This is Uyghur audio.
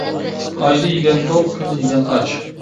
ئايدا يېگەن توق، كۈندە يېگەن ئاچ.